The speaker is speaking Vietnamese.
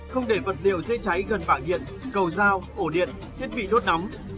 không để vật liệu dễ cháy gần bảng điện cầu dao ổ điện thiết bị đốt nóng